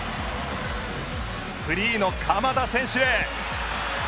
フリーの鎌田選手へ。